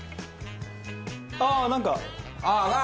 ああ！